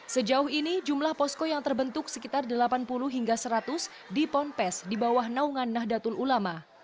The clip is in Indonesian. sejauh ini jumlah posko yang terbentuk sekitar delapan puluh hingga seratus di ponpes di bawah naungan nahdlatul ulama